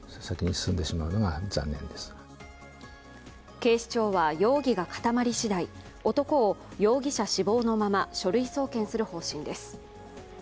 警視庁は容疑が固まり次第、男を容疑者死亡のまま書類送検する方針です。